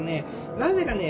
なぜかね